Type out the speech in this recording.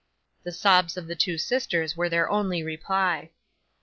'The sobs of the two sisters were their only reply.